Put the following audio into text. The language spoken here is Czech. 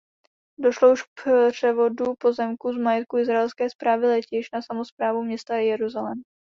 Došlo už k převodu pozemků z majetku Izraelské správy letišť na samosprávu města Jeruzalém.